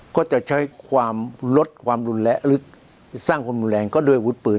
ก็จะใช้ความลดความรุนแรงและลึกสร้างความรุนแรงก็ด้วยวุฒิปืน